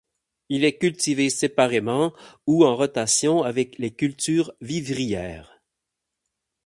Il est cultivé séparément ou en rotation avec les cultures vivrières.